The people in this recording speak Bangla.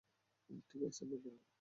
ঠিক আছে, ডান।